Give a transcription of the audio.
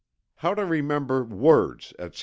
HOW TO REMEMBER WORDS, ETC.